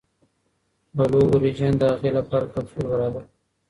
بلو اوریجن د هغې لپاره کپسول برابر کړ.